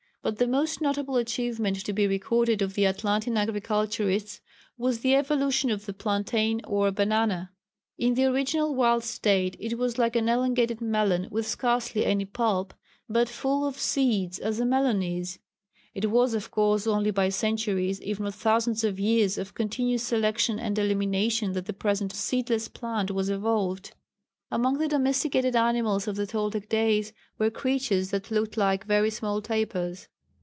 But the most notable achievement to be recorded of the Atlantean agriculturists was the evolution of the plantain or banana. In the original wild state it was like an elongated melon with scarcely any pulp, but full of seeds as a melon is. It was of course only by centuries (if not thousands of years) of continuous selection and elimination that the present seedless plant was evolved. Among the domesticated animals of the Toltec days were creatures that looked like very small tapirs.